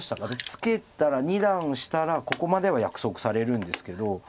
ツケたら２段したらここまでは約束されるんですけど。